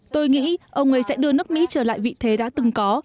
tôi nghĩ ông ấy sẽ đưa nước mỹ trở lại vị thế đã từng có